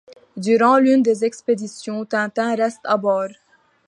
Durant l’une des expéditions, Tintin reste à bord.